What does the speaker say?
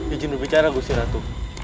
ijin berbicara gusti ratu